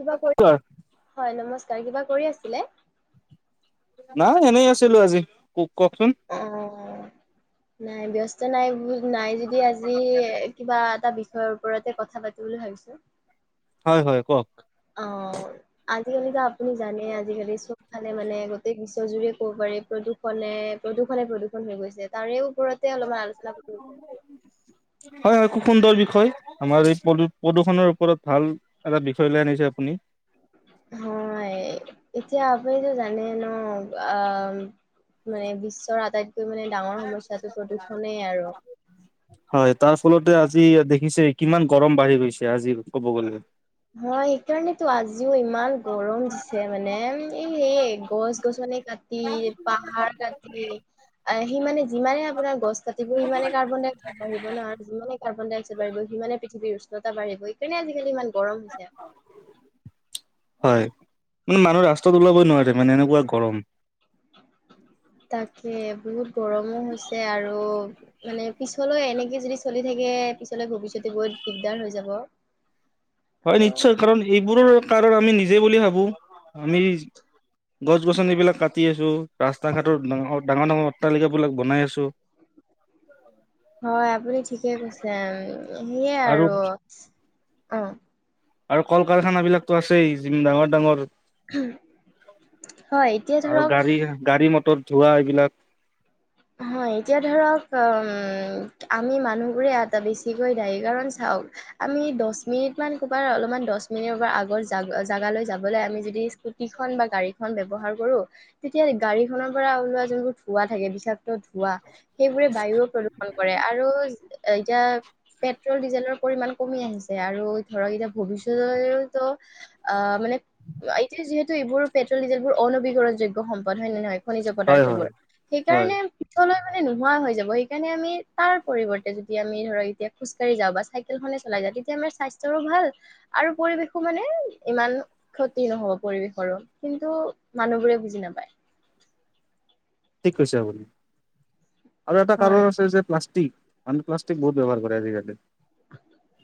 হয়, নমস্কাৰ কিবা কৰি আছিলে? নাই এনেই আছিলোঁ আজি ক কওকচোন? অ', নাই ব্যস্ত নাই নাই যদি আজি কিবা এটা ওপৰতে কথা পাতো বুলি ভাবিছোঁ। হয়, হয়, কওক? অ'। আজিকালিতো আপুনি জানে আজিকালি চব ফালে মানে গোটেই বিশ্বজোৰে ক'ব পাৰে প্ৰদূষণ মানে প্ৰদূষণে প্ৰদূষণ হৈ গৈছে। তাৰেও হয়, হয়, খুব সুন্দৰ বিষয় আমাৰ এই প্ৰদূষণৰ ওপৰত ভাল এটা বিষয় লৈ আনিছে আপুনি। হয়। এতিয়া আপুনিতো জানে ন, আ, মানে বিশ্বৰ আটাইত মানে ডাঙৰ সমস্যাটো প্ৰদূষনেই আৰু। তে আজি দেখিছে কিমান গৰম বাঢ়ি গৈছে আজি ক'ব গ'লে। হয়, সেইকাৰণেতো আজিও ইমান গৰম দিছে মানে সে, গছ-গছনি কাটি, পাহাৰ কাটি সেই মানে যিমানে আপোনাৰ গছ কাটিব সিমানে কাৰ্বন ডাই অ্সাইড বাঢ়িব ন, আৰু যিমানে কাৰ্বন ডাইক্সাইড বাহিব, সিমানে পৃথিৱীৰ উষ্ণত বাঢ়িব। এইকাৰণে আজি কালি ইমান গৰম হৈছে। হয়। মানে মানুহ ৰাস্তাত ওলাবই নোৱাৰে মানে এনেকুৱা গৰম। তাকে বহুত গৰমো হৈছে আৰু মানে পিছলৈ এনেকে যদি চলি থাকে পিছলে ভৱিষ্যতে গৈ দিগদাৰ হৈ যাব। হয় আৰু নিশ্চয় কাৰণ এইবোৰৰ কাৰণ আমি নিজে বুলি ভাবো। আমি গছ গছনিবিলাক কাটি আছোঁ, ৰাস্তা ঘাটত ডাঙ-ডাঙৰ-ডাঙৰ অট্টালিক বিলাক বনাই আছো। [unintelligible] হয় আপুনি ঠিকে কৈছে সেয়ে আৰু, অ'। আৰু কল কাৰখানা বিলাকতো আছেই, ডাঙৰ-ডাঙৰ হয় এতিয়া আৰু ধৰক গাড়ী-গাড়ী মটৰ ধোৱা এইবিলাক। হয় এতিয়া ধৰক উম আমি মানুহবোৰে এটা বেছিকৈ দায়ী কাৰণ চাও আমি দহ মিনিটমান ক'ৰবাৰ অলপমান দহ মিনিটৰ পৰা আগৰ জাগা-জাগালৈ যাবলৈ আমি যদি স্কুটি খন বা গাড়ী খন ব্যৱহাৰ কৰো, তেতিয়া গাড়ীখনৰ পৰা ওলোৱা যোনবোৰ ধুৱা থাকে বিশাস ধোৱা সেইবোৰে বায়ু প্ৰদূষণ কৰে আৰু এতিয়া পেট্ৰল ডিজেলৰ পৰিমাণ কমি আহিছে আৰু ধৰক এতিয়া ভৱিষ্যতলৈওতো আহ, মানে এতিয়া যিহেতু এইবোৰ পেট্ৰলি ডিজেল বোৰ অ নবীকৰণ যোগ্য সম্পদ হয় নে নহয়? খনিজ হয় হয় পদাৰ্থবোৰ। হয় সেইকাৰণে তলৈ মানে নোহোৱা হৈ যাব, সেইকাৰণে আমি তাৰ পৰিৱৰ্তে যদি আমি ধৰক এতিয়া খোজ কাঢ়ি যাওঁ বা চাইকেল চলাই যায় তেতিয়া আমাৰ স্বাস্থৰো ভাল, আৰু পৰিৱেশো মানে ইমান ক্ষতি নহব পৰিৱেশ কিন্তু মানুহবোৰে বুজি নাপায়। ঠিক কৈছে আপুনি। আৰু এটা হয় কাৰণ আছে যে প্লাষ্টিক, মানে প্লাষ্টিক বহুত ব্যৱহাৰ কৰে আজিকালি। [unintelligible]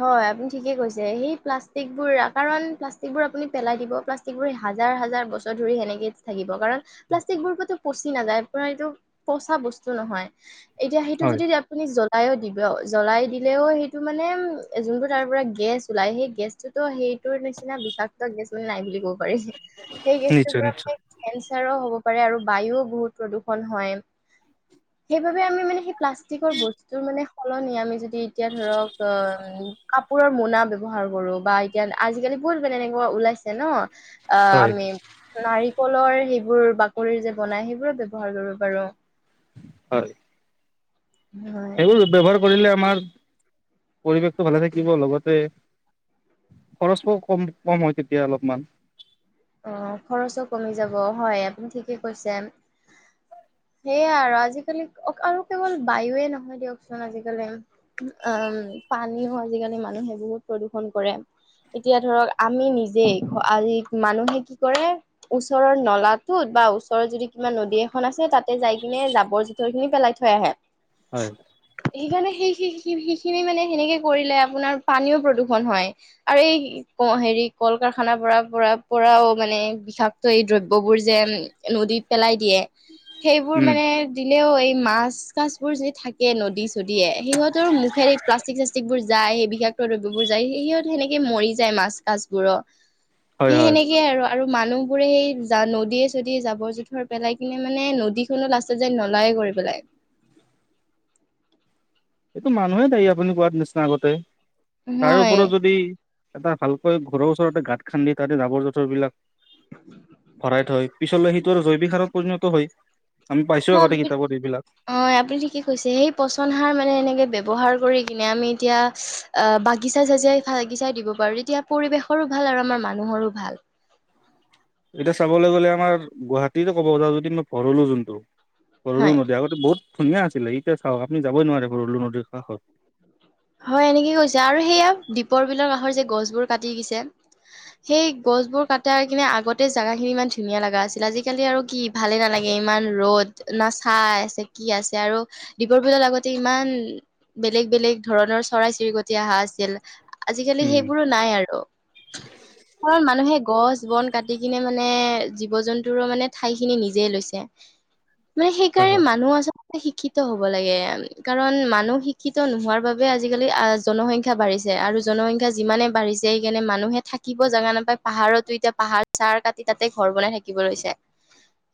হয় আপুনি ঠিকে কৈছে সেই প্লাষ্টিকবোৰ কাৰণ প্লাষ্টিক বোৰ আপুনি পেলাই দিব প্লাষ্টিকবোৰ হাজাৰ বছৰ ধৰি সেনেকে থাকিব কাৰণ প্লাষ্টিবোৰ কটো পচি নাযায় আ এইটো পচা বস্তু নহয় এতিয়া সেইটো হয় যদি আপুনি জ্বলাই দিব জ্বলাই দিলেও সেইটো মানে যোনটো তাৰ পৰা গেছ ওলাই সেই গেছটোতো সেইটোৰ নিচিনা বিষাক্ত নাই বুলি কব পাৰি সেই গেছটোৰ নিশ্চয় পৰা নিশ্চয়। প্ৰায় কেঞ্চাৰো হ'ব পাৰে আৰু বায়ু বহুত প্ৰদূষণ হয় সেইবাবে আমি মানে প্লাষ্টিকৰ বস্তুৰ মানে সলনি আমি যদি এতিয়া ধৰক উম কাপোৰৰ মোনা ব্যৱহাৰ কৰো বা এতিয়া আজিকালি বহুত মানে এনেকুৱা ওলাই ওলাইছে ন আ হয় অমি নাৰিকলৰ সেইবোৰ বাকলিৰ যে বনাই সেইবোৰো ব্যৱহাৰ কৰিব পাৰো হয় হয় সেইবোৰ ব্যৱহাৰ কৰিলে আমাৰ পৰিৱেশটো ভালে থাকিব লগতে খৰচটো কম কম হয় তেতিয়া অলপমান অ খৰচো কমি যাব হয় আপুনি ঠিকে কৈছে সেয়াই আৰু আজিকালি আৰু কেৱল বায়ুৱে নহয় দিয়কচোন আজিকালি উম অ পানীও আজিকালি মানুহে বহুত প্ৰদূষন কৰে এতিয়া ধৰক আমি নিজে আজি মানুহে কি কৰে ওচৰৰ নলা টোত বা ওচৰত যদি কিবা নদী এখন আছে তাতে যাই কিনে জাবৰ জোথৰ খিনি পেলাই থৈ আহে হয়। সেইকাৰণে সেই সেইখিনি মানে সেনেকে কৰিলে আপোনাৰ পানীও প্ৰদূষণ হয় আৰু এই হেৰি কল কাৰখানাৰ পৰা পৰা পৰাও মানে বিষাক্ত এই দ্ৰব্যবোৰ যে নদীত পেলাই দিয়ে সেইবোৰ উম। মানে হলেও এই মাছ কাছ বোৰ যদি থাকে নদী চদিয়ে সিহঁতৰ মুখেৰে এই প্লাষ্টিক চাষ্টিক বোৰ যায় সেই বিষাক্ত দ্ৰব্যবোৰ যায় সিহঁত সেনেকে মৰি যায় মাছ কাছবোৰো হয় সেই হয় সেনেকে আৰু আৰু মানুহ বোৰে সেই নদীয়ে চদীয়ে জাবৰ জোথৰ পেলাই কিনে মানে নদীখনো লাষ্টত যায় নলায় কৰি পেলায় এইটো মানুহে দায়ী আপুনি কোৱাত নিচিনা আগতে তাৰ উপৰো হয় যদি এটা ভালকৈ ঘৰৰ ওচৰতে গাঁত খান্দি তাতে জাবৰ জোঁথৰ বিলাক ভৰাই থৈ, পিছলৈ সেইটো আৰু জৈৱিক সাৰত পৰিণত হয়। আমি পাইছো আগতে কিতাপত এইবিলাক। অ আপুনি ঠিকে কৈছে। সেই পচন সাৰ মানে এনে ব্যৱহাৰ কৰি কিনে আমি এতিয়া বাগিচা চাগাই বাগিচা দিব পাৰো। তেতিয়া পৰিৱেশৰ ভাল আৰু আমাৰ মানুহৰো ভাল। এতিয়া চাবলৈ গ'লে আমাৰ গুৱাহাটীত ক'ব যা যদি মই ভৰলো যোনটো, ভৰলো হয়, নদী আগতে বহুত ধুনীয়া আছিলে। এতিয়া চাওক আপুনি যাবই নোৱাৰে ভৰুলো নদীৰ কাষত। হয় এনেকে কৈছে আৰু সেইয়া দীপৰ বিলৰ কাষৰ যে গছবোৰ কাটি দিছে। সেই গছ বোৰ কটাই কিনে আগতে জেগা খিনি ইমান ধুনীয়া লগা আছিল। আজিকালি আৰু কি ভালে নালাগে। ইমান ৰ'দ, না চাই আছে কি আছে আৰু দীপৰ বিলত আগতে ইমান বে- লেগ বেলেগ ধৰণৰ চৰাই চিৰিকটি অহা আছিল। আজিকালি উম সেইবোৰো নাই আৰু। মানুহে গছ জীৱন কাটি কিনে মানে জীৱ জন্তুৰো মানে ঠাই খিনি নিজে লৈছে। মানে হয় সেইকাৰণে হয় মানুহ আচলতে শিক্ষিত হ'ব লাগে। কাৰণ মানুহ শিক্ষিত নোহোৱাৰ বাবে আজিকালি আহ জনসংখ্যা বাঢ়িছে আৰু জনসংখ্যা যিমানে বাঢ়িছে সেইকাৰণে মানুহে থাকিব জাগা নাপায়। পাহাৰতো এতিয়া পাহাৰ চাৰ কাটি তাতে ঘৰ বনাই থাকিব লৈছে।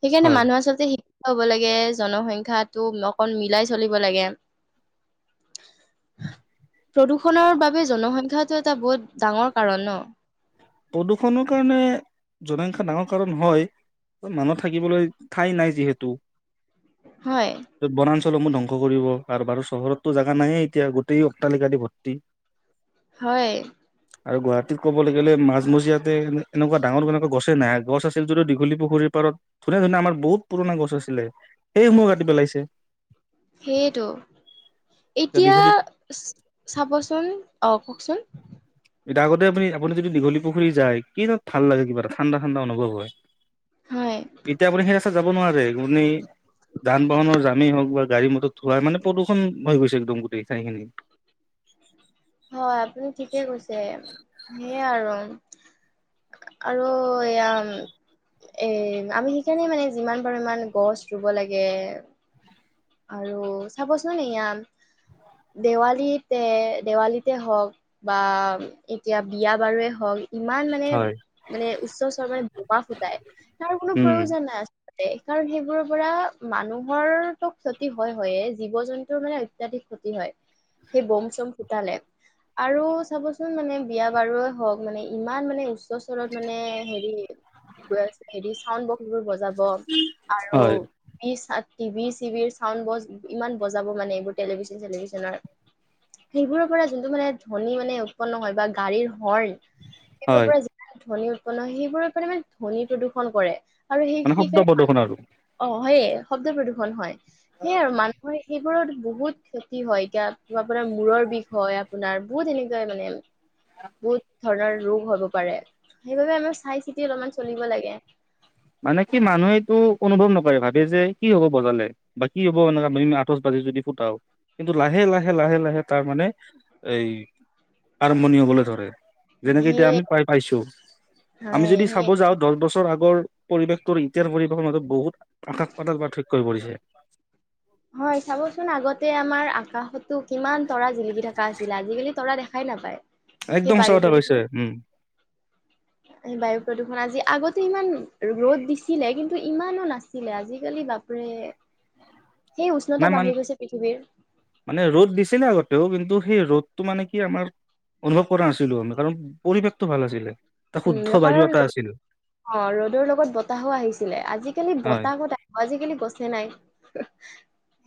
সেইকাৰণে হয় মানুহ আচলতে শি- ক্ষিত হব লাগে, জনসংখ্যটো অকল মিলাই চলিব লাগে। প্ৰদূষণৰ বাবে জনসংখ্যটো এটা বহুত ডাঙৰ কাৰণ ন? প্ৰদূষণৰ কাৰণে জনসংখ্যা ডাঙৰ কাৰণ হয়। মানুহ থাকিবলৈ ঠাই নাই যিহেতু। হয়। সমূহ ধ্বংস কৰিব আৰু বাৰু চহৰতো জাগা নে এতিয়া গোটেই অট্টালিকা দি ভৰ্তি। হয়। আৰু গুৱাহাটীত ক'বলৈ গ'লে, মাজ মজিয়াতে এনেকুৱা ডাঙৰ কেনেকুৱা গছে নাই, গছ আছিল যদিও দীঘলীপুখুৰীৰ পাৰত ধুনীয়া ধুনীয়া আমাৰ বহুত বহুত পুৰণ গছ আছিলে। সেইসমূহ কাটি পেলাইছে। সেইটো। এতিয়া দীঘলী চাবচোন অওক কওকচোন। এতিয়া আগতে আপুনি আপুনি যদি দীঘলী পুখুৰী যায়, কি তাত ভাল লাগে কিবা এটা ঠাণ্ডা ঠাণ্ডা অনুভৱ হয়। হয় এতিয়া আপুনি সেই ৰাস্তাত যাব নোৱাৰে। আপুনি যান বাহনৰ জামেই হওক বা গাড়ী মটৰ থোৱাই মানে প্ৰদূষণ হৈ গৈছে একদম গোটেই ঠাইখিনি। হয় আপুনি ঠিকে কৈছে। সেইয়ে আৰু আৰু এয়া এ আমি সেইকাৰণে মানে যিমান পাৰোঁ ইমান গছ ৰুব লাগে। আৰু চাবচোন এয়া দেৱালীতে দেৱালীতে হওক বা এতিয়া বিয়া বাৰুে হওক, ইমান মানে হয়। মানে উচ্চ চৰৰ মানে বোমা ফুটাই, তাৰ কোনো উম, প্ৰয়োজন নাই আ- সেইকাৰণ সেইবোৰৰ পৰা মানুহৰ ক্ষতি হয় হয়ে, জীৱ জন্তুৰ মানে অত্যাধিক ক্ষতি হয়। সেই বম চম ফোতালে। আৰু চাবচোন মানে বিয়া বাৰুৱে হওক মানে ইমান মানে উচ- চৰত মানে হেৰি হে চাউড ফুলবোৰ বজাব আৰু হয়, বিশ ষাতি বি ৰ চাউণ্ড ব ইমান বজাব মানে, এইবোৰ টেলিভিছন চেলিভিছনৰ সেইবোৰৰ পৰা যোনটো মানে ধ্বনি মানে উৎপন্ন হয় বা গাড়ীৰ হৰ্ণ, সেইবোৰৰ হয়। পৰা য ধ্বনী উৎপন্ন হয়, সেইবোৰৰ মানে মানে ধ্বনী প্ৰদূষণ কৰে। আৰু সেই মানে শব্দ সেইকাৰণে প্ৰদূষণ আৰু অ, হয়ে শব্দ প্ৰদূষণ হয়। সেয়ে আৰু মানুহে সেইবোৰৰ বহুত ক্ষতি হয়। এতিয়া আপোনাৰ মূৰৰ বিষ হয়, আপোনাৰ বহুত এনেকুৱাই মানে। ব ধৰণৰ ৰোগ হব পাৰে। সেইবাবে আমাৰ চাই চিতি অলপমান চলিব লাগে। মানে কি মানুহে এইটো অনুভৱ নকৰে ভাবে যে কি হ'ব বজালে বা কি হ'ব এনে আঠচ বাজি যদি ফুটাও কিন্তু লাহে লাহে লাহে লাহে তাৰ মানে এই আৰম্ভণি হ'বলৈ ধৰে যেনেকে এতিয়া সেয়ে আমি পাই পাইছো আমি হয় যদি চাব সেই যাওঁ দহ বছৰ আগৰ পৰিৱেশটোৰ এতিয়াৰ পৰিৱেশতো বহুত আকাশ পাতাল পাৰ্থক্য হৈ পৰিছে হয় চাবচোন আগতে আমাৰ আকাশতো কিমান তৰা জিলিকি থকা আছিল আজিকালি তৰা দেখা খাই নাপায় যে একদম সঁচা বায়ু কথা কৈছে প্ৰদূষণ উম, [inaudible] সেই বায়ু প্ৰদূষণ আজি আগতে ইমান ৰদ দিছিলে কিন্তু ইমানো নাছিলে আজিকালি বাপৰে। [unintelligible] উষ্ণতা নাই মান বাঢ়ি গৈছে পৃথিৱীৰ মানে ৰ'দ দিছিলে আগতেও কিন্তু সেই ৰ'দ টো মানে কি আমাৰ অনুভৱ কৰা নাছিলো আমি কাৰণ পৰিৱেশটো ভাল আছিলে এ উম শুদ্ধ বায়ু কাৰণ এটা আছিল অ ৰ'দৰ লগত বতাহো আহিছিলে আজিকালি হয় বতাহ কত আজিকালি গছে নাই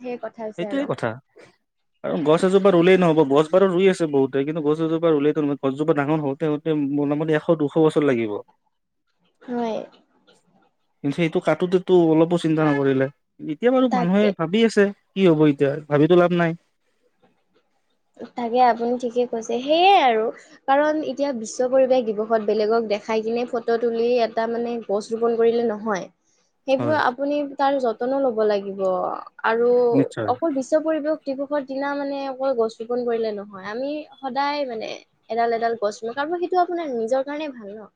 সেই কথা হৈছে সেইটোয়ে আৰু কথা আৰু গছ এজোপা ৰুলেই নহ'ব গছ ৰুই আছো বহুতে কিন্তু গছ এজোপা ৰুলে নহয় গছজোপাৰ ডাঙৰ হওঁতে হওঁতে মানে এশ দুশ বছৰ লাগিব হয় কিন্তু সেইটো কাটোতে টো অলপো চিন্তা নকৰিলে এতিয়া বাৰু মানুহে তাকে ভাবি আছে কি হ'ব এতিয়া ভাবিতো লাভ নাই তাকে আপুনি ঠিকে কৈছে সেইয়াই আৰু কাৰণ এতিয়া বিশ্ব পৰিৱেশ দিৱসত বেলেগক দেখাই কিনে ফটো তুলি এটা মানে গছ ৰোপন কৰিলে নহয় সেইবোৰ হয় আপুনি তাৰ যতনো লব লাগিব। আৰু নিশ্চয় অকল বিশ্ব পৰিবেশ দিৱসৰ দিনা মানে অকল গছ ৰোপন কৰিলে নহয় আমি সদায় মানে এডাল- এডাল গছ ৰো কাৰণ সেইটো আপোনাৰ নিজৰ কাৰণে ভাল ন'। ন' [inaudible]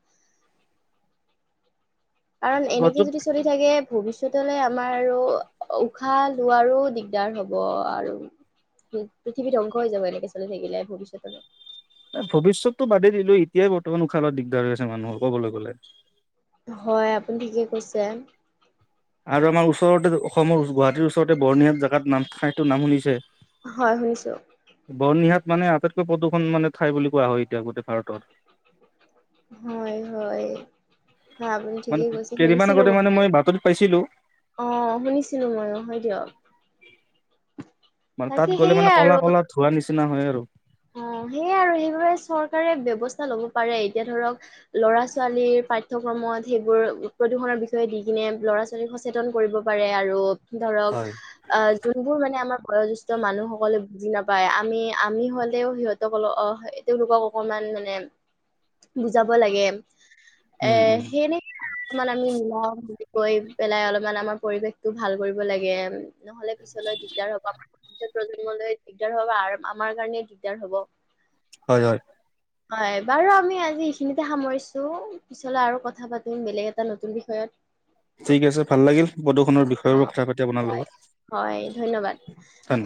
কাৰণ এনেকে গছজোপ যদি চলি থাকে ভৱিষ্যতলৈ আমাৰ আৰু উশাহ লোৱাৰো দিগদাৰ হ'ব আৰু। পৃথিৱী ধ্বংস হৈ যাব এনেকে চলি থাকিলে ভৱিষ্যতলে। নাই ভৱিষ্যতটো বাদেই দিলো এতিয়া বৰ্তমান উশালত দিগদাৰ আছে মানুহৰ কবলৈ গ'লে। হয়, আপুনি ঠিকে কৈছে। আৰু আমাৰ ওচৰতে অসমৰ গুৱাহাটীৰ ওচৰতে বৰ্ণিহাট জেগাত নাম ঠাইতো নাম শুনিছে? হয়, শুনিছো। বৰ্ণিহাট মানে আটাইতকৈ প্ৰদূষণ মানে ঠাই বুলি কোৱা হয় এতিয়া গোটেই ভাৰতত। হয়', হয়', হয় আপুনি মানে ঠিকেই কৈছে কেইদিনমান আগতে মানে মই বাতৰিত পাইছিলোঁ। অহ, শুনিছিলোঁ মই হয় দিয়ক। মানে তাত তাকে গ'লে সেইয়ে মানে আৰু ক'লা -ক'লা ধুৱা নিচিনা হয় আৰু। অ', সেইয়ে আৰু সেইবাবে চৰকাৰে ব্যৱস্থা লব পাৰে এতিয়া ধৰক লৰা -ছোৱালীৰ পাঠ্যক্ৰম সময়ত সেইবোৰ প্ৰদূষণৰ বিষয়ে দি কিনে ল'ৰা -ছোৱালীক সচেতন কৰিব পাৰে আৰু ধৰক হয়। অ' যোনবোৰ মানে আমাৰ বয়োজ্যেষ্ঠ মানুহসকলে বুজি নাপায় আমি- আমি হ হ'লেও সিহঁতক অল অহ তেওঁওলোকক অকনমান মানে বুজাব লাগে এ উম, উম, সেনেকে [unintelligible] আমি মিলাওঁ বুলি গৈ পেলাই অলপমান আমাৰ পৰিৱেশটো ভাল কৰিব লাগে নহলে পিছলৈ দিগদাৰ হ'ব। নতুন প্ৰজন্মলৈ দিগদাৰ হ'ব বা আমাৰ কাৰণে দিগদাৰ হ'ব। হয়', হয়', হয় বাৰু আমি আজি এইখিনিতে সামৰিছো পিছলৈ আৰু কথা পাতিম বেলেগ এটা নতুন বিষয়ত। ঠিক আছে ভাল লাগিল প্ৰদূষণৰ অ বিষয়ে কথা পাতি আপোনাৰ হয় লগত। হয় ধন্যবাদ। ধন্যবাদ।